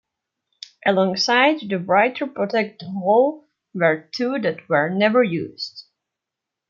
Alongside the write-protect hole were two that were never used.